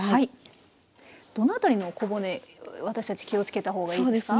どの辺りの小骨私たち気を付けた方がいいですか？